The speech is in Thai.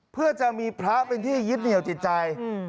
เพื่อจะมีพระเป็นที่ยึดเหนียวจิตใจ